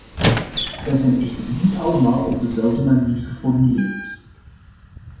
Zij zijn echter niet allemaal op dezelfde manier geformuleerd.